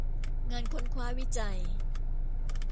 งานค้นคว้าวิจัย